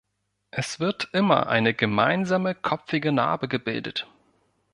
Es wird immer eine gemeinsame kopfige Narbe gebildet.